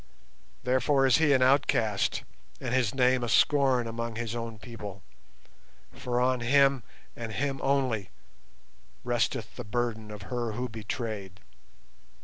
Therefore is he an outcast and his name a scorn among his own people; for on him, and him only, resteth the burden of her who betrayed.